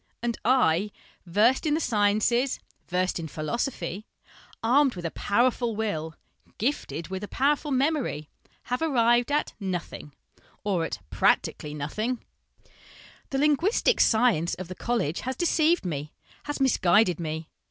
And I, versed in the sciences, versed in philosophy, armed with a powerful will, gifted with a powerful memory .... have arrived at nothing, or at practically nothing !'" 20 306 HOME EDUCATION " The linguistic science of the college has deceived me, has misguided me.